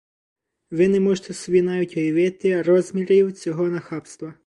Ви не можете собі навіть уявити розмірів цього нахабства!